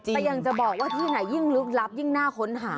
แต่อยากจะบอกว่าที่ไหนยิ่งลึกลับยิ่งน่าค้นหา